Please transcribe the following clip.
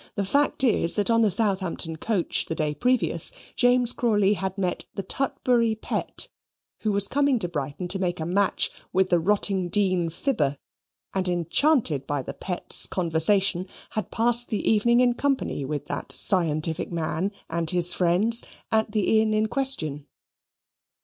The fact is, that on the Southampton coach, the day previous, James Crawley had met the Tutbury Pet, who was coming to Brighton to make a match with the Rottingdean Fibber; and enchanted by the Pet's conversation, had passed the evening in company with that scientific man and his friends, at the inn in question.